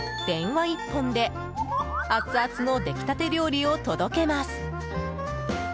電話１本で熱々のできたて料理を届けます。